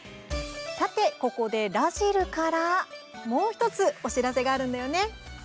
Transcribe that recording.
さてここで、らじるからもう１つお知らせがあるんだよね。